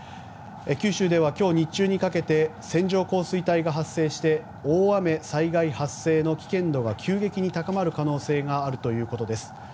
九州では今日、日中にかけて線状降水帯が発生して大雨災害発生の危険度が急激に高まる可能性があるということです。